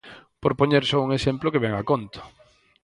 Por poñer só un exemplo que vén a conto.